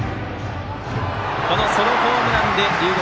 ソロホームランで龍谷